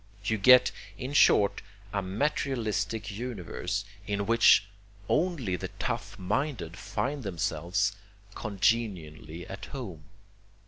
You get, in short, a materialistic universe, in which only the tough minded find themselves congenially at home.